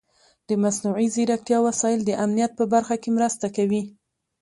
د مصنوعي ځیرکتیا وسایل د امنیت په برخه کې مرسته کوي.